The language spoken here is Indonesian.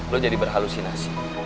lo jadi berhalusinasi